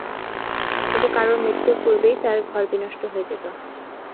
কিন্তু কারোর মৃত্যুর পূর্বেই তার ঘর বিনষ্ট হয়ে যেত।